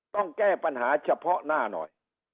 ต้องแก้ปัญหาเฉพาะหน้าหน่อย